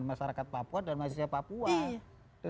masyarakat papua dan mahasiswa papua